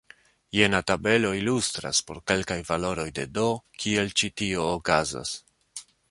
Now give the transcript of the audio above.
Jena tabelo ilustras, por kelkaj valoroj de "d", kiel ĉi tio okazas.